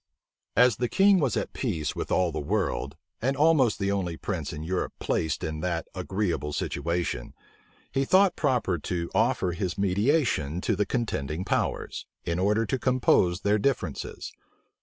As the king was at peace with all the world, and almost the only prince in Europe placed in that agreeable situation, he thought proper to offer his mediation to the contending powers, in order to compose their differences.